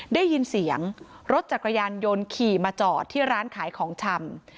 ได้ยินเสียงรถจักรยานยนต์ขี่มาจอดที่ร้านขายของชำ